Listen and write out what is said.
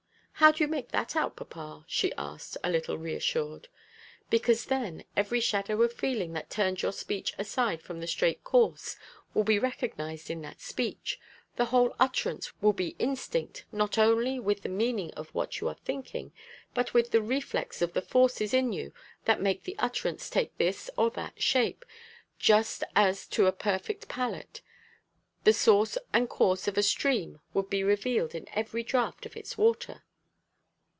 "How do you make that out, papa?" she asked, a little re assured. "Because then every shadow of feeling that turns your speech aside from the straight course will be recognised in that speech; the whole utterance will be instinct not only with the meaning of what you are thinking, but with the reflex of the forces in you that make the utterance take this or that shape; just as to a perfect palate, the source and course of a stream would be revealed in every draught of its water.